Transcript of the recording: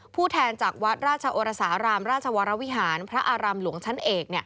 แทนจากวัดราชโอรสารามราชวรวิหารพระอารามหลวงชั้นเอก